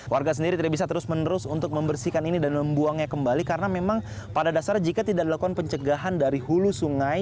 warga sendiri tidak bisa terus menerus untuk membersihkan ini dan membuangnya kembali karena memang pada dasarnya jika tidak dilakukan pencegahan dari hulu sungai